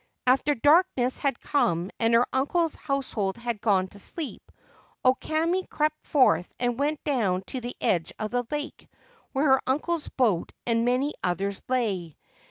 After darkness had come and her uncle's household had gone to sleep, O Kame crept forth and went down to the edge of the lake, where her uncle's boat and many others lay.